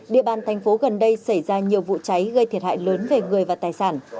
địa bàn thành phố gần đây xảy ra nhiều vụ cháy gây thiệt hại lớn về người và tài sản